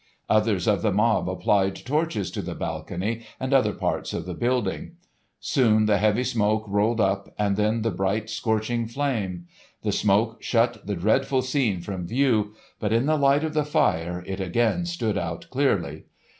Others of the mob applied torches to the balcony and other parts of the building. Soon the heavy smoke rolled up, and then the bright scorching flame. The smoke shut the dreadful scene from view, but in the light of the fire it again stood out clearly.